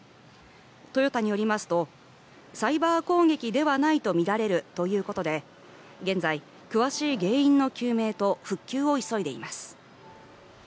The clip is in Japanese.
トヨタによりますと、サイバー攻撃ではないとみられるということで現在、詳しい原因の究明と復旧を急いでいます。